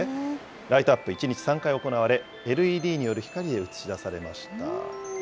ライトアップ、１日３回行われ、ＬＥＤによる光で映し出されました。